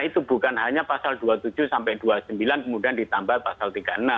itu bukan hanya pasal dua puluh tujuh sampai dua puluh sembilan kemudian ditambah pasal tiga puluh enam